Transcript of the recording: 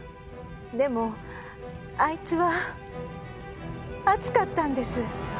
でもあいつは熱かったんです！